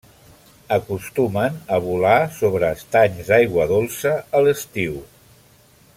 Acostumen a volar sobre estanys d'aigua dolça a l'estiu.